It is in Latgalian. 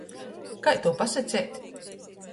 Kai tū pasaceit?